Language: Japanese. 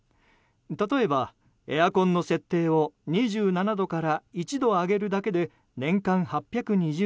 例えば、エアコンの設定を２７度から１度上げるだけで年間８２０円。